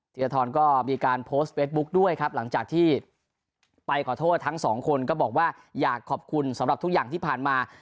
ธีรทรก็มีการโพสต์เฟสบุ๊คด้วยครับหลังจากที่ไปขอโทษทั้งสองคนก็บอกว่าอยากขอบคุณสำหรับทุกอย่างที่ผ่านมา